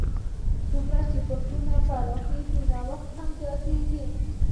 څومره چې فکرونه پراخېږي، نوښت هم زیاتیږي.